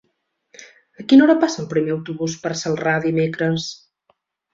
A quina hora passa el primer autobús per Celrà dimecres?